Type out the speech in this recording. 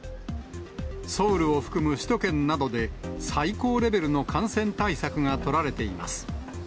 ソウルを含む首都圏などで、最高レベルの感染対策が取られています。